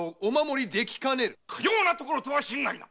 かような所とは心外な！